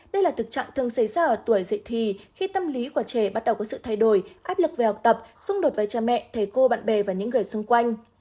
đây là thực trạng thường xảy ra ở tuổi dạy thì khi tâm lý của trẻ bắt đầu có sự thay đổi áp lực về học tập xung đột với cha mẹ thầy cô bạn bè và những người xung quanh